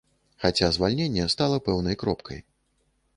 Хаця звальненне стала пэўнай кропкай.